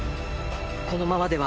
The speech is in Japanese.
このままでは。